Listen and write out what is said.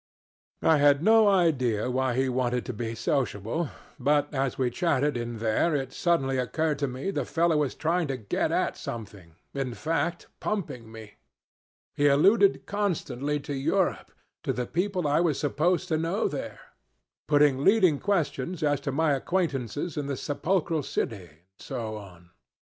"I had no idea why he wanted to be sociable, but as we chatted in there it suddenly occurred to me the fellow was trying to get at something in fact, pumping me. He alluded constantly to Europe, to the people I was supposed to know there putting leading questions as to my acquaintances in the sepulchral city, and so on.